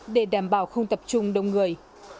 để đảm bảo không tập trung đông người